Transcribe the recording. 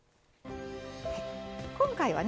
今回はね